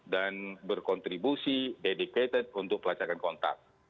dan berkontribusi dedicated untuk pelacakan kontak